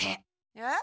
えっ？